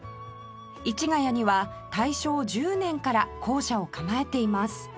市ヶ谷には大正１０年から校舎を構えています